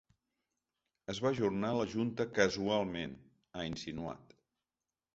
Es va ajornar la junta “casualment”…, ha insinuat.